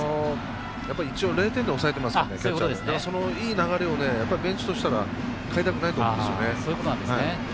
今日は０点で抑えてるキャッチャーですのでそのいい流れをベンチとしたら変えたくないと思うんですよね。